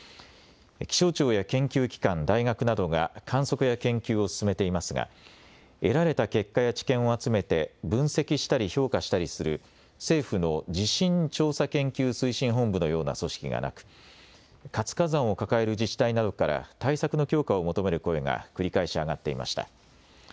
気象庁や研究機関、大学などが観測や研究を進めていますが得られた結果や知見を集めて分析したり評価したりする政府の地震調査研究推進本部のような組織がなく活火山を抱える自治体などから対策の強化を求める声が繰り返し上がっていました。